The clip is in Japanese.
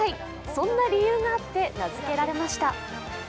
そんな理由があって名づけられました。